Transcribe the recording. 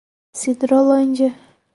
Sidrolândia